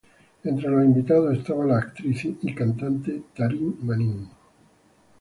Entre los invitados estaba la actriz y cantante Taryn Manning.